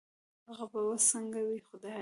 هغه به وس سنګه وي خدايه